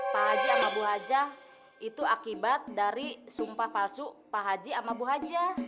pak haji sama bu hajah itu akibat dari sumpah palsu pak haji sama bu hajah